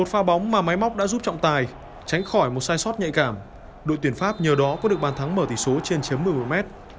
khi mà máy móc đã giúp trọng tài tránh khỏi một sai sót nhạy cảm đội tuyển pháp nhờ đó có được bàn thắng mở tỷ số trên chấm một mươi một m